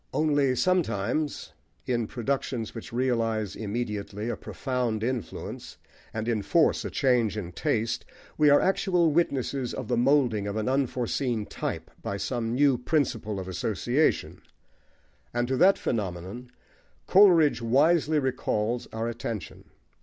Only sometimes, in productions which realise immediately a profound influence and enforce a change in taste, we are actual witnesses of the moulding of an unforeseen type by some new principle of association; and to that phenomenon Coleridge wisely recalls our attention.